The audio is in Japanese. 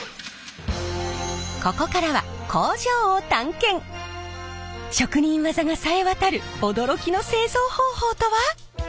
ここからは職人技がさえ渡る驚きの製造方法とは？